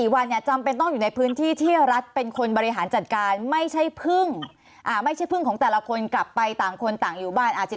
วันเนี่ยจำเป็นต้องอยู่ในพื้นที่ที่รัฐเป็นคนบริหารจัดการไม่ใช่พึ่งไม่ใช่พึ่งของแต่ละคนกลับไปต่างคนต่างอยู่บ้านอาจจะ